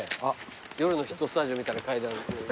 『夜のヒットスタジオ』みたいな階段。